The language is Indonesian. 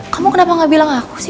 kamu kenapa gak bilang aku sih